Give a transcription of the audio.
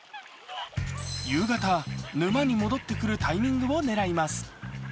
夕方、沼に戻ってくるタイミングを狙います。